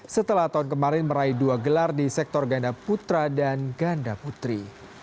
setelah tahun kemarin meraih dua gelar di sektor ganda putra dan ganda putri